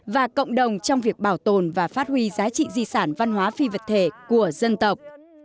và cộng đồng trong việc bảo tồn và phát huy giá trị di sản văn hóa phi vật thể của dân tộc